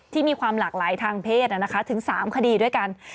มีความหลากหลายทางเพศถึง๓คดีด้วยกัน